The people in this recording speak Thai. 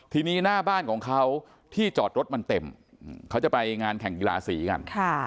ทีนี้หน้าบ้านของเขาที่จอดรถมันเต็มเขาจะไปงานแข่งกีฬาสีกัน